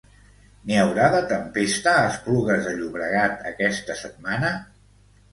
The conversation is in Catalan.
N'hi haurà de tempesta a Esplugues de Llobregat aquesta setmana?